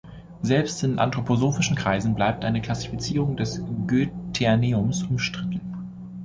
Selbst in anthroposophischen Kreisen bleibt eine Klassifizierung des Goetheanums umstritten.